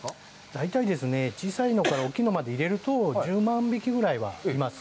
大体ですね、小さいのから大きいのまで入れると１０万匹ぐらいはいます。